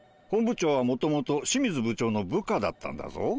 本部長はもともと清水部長の部下だったんだぞ。